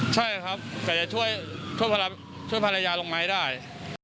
ใช่ครับแต่จะช่วยภรรยาลงมาให้ได้